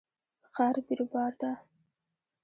ښار بیروبار ده